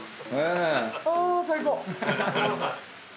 あ最高。